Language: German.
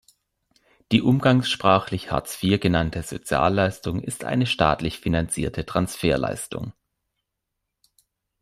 Die umgangssprachlich Hartz vier genannte Sozialleistung ist eine staatlich finanzierte Transferleistung.